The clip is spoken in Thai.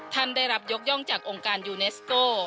ท่านได้รับยกย่องจากองค์การยูเนสโก